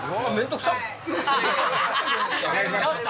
ちょっと！